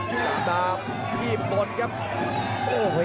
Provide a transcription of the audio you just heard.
ดาบดำเล่นงานบนเวลาตัวด้วยหันขวา